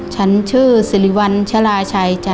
ฉันชื่อสิริวัลชราชัยจ้ะ